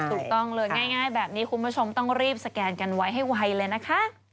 ถูกต้องเลยง่ายแบบนี้คุณผู้ชมต้องรีบสแกนกันไว้ให้ไวเลยนะคะ